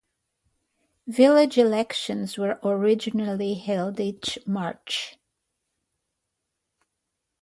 Village elections were originally held each March.